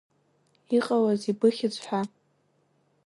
Иҟалаз, ибыхьыз ҳәа…